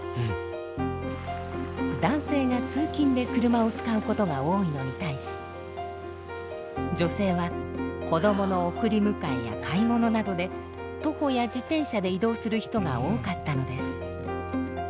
男性が通勤で車を使うことが多いのに対し女性は子どもの送り迎えや買い物などで徒歩や自転車で移動する人が多かったのです。